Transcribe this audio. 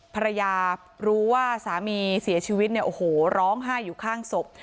ภรรยารู้ว่าสามีเสียชีวิตเนี่ยโอ้โหร้องไห้อยู่ข้างศพ